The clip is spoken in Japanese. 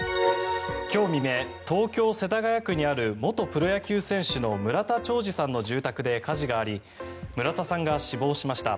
今日未明東京・世田谷区にある元プロ野球選手の村田兆治さんの住宅で火事があり村田さんが死亡しました。